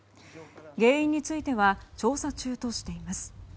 原因については調査中としています。